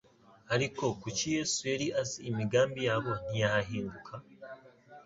Ariko kuko Yesu yari azi imigambi yabo, ntiyahahinguka.